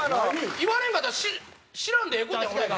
言われんかったら知らんでええ事やん俺が。